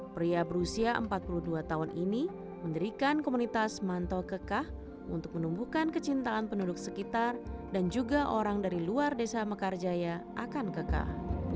pria berusia empat puluh dua tahun ini mendirikan komunitas mantau kekah untuk menumbuhkan kecintaan penduduk sekitar dan juga orang dari luar desa mekarjaya akan kekah